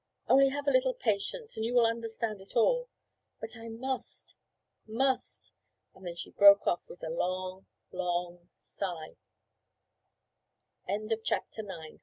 Only have a little patience and you will understand it all. But I must—must—" and then she broke off with a long, long sig